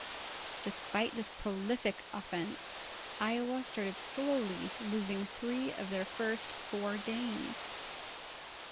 Despite this prolific offense, Iowa started slowly, losing three of their first four games.